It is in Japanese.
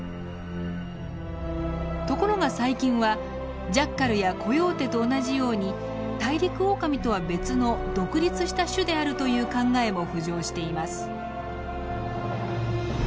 ところが最近はジャッカルやコヨーテと同じようにタイリクオオカミとは別の独立した種であるという考えも浮上しています。